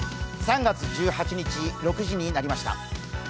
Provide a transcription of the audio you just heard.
３月１８日６時になりました。